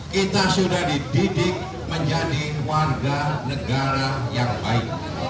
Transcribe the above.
kita sudah dididik menjadi warga negara yang baik